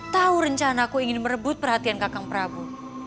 tahu rencanaku ingin merebut perhatian kakang prabu